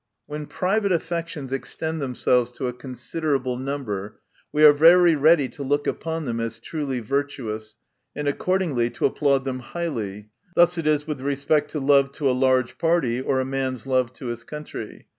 — When private affections extend themselves to a con siderable number, we are very ready to look upon them as truly virtuous, and accordingly to applaud them highly. Thus it is with respect to love to a large party, or a man's love to his country.